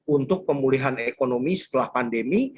untuk pemulihan ekonomi setelah pandemi